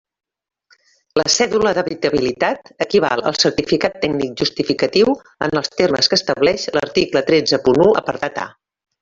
La cèdula d'habitabilitat equival al certificat tècnic justificatiu en els termes que estableix l'article tretze punt u apartat a.